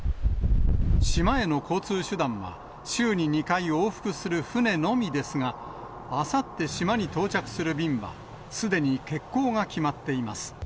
島への交通手段は週に２回往復する船のみですが、あさって島に到着する便は、すでに欠航が決まっています。